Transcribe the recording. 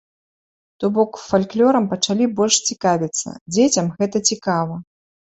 То бок фальклёрам пачалі больш цікавіцца, дзецям гэта цікава.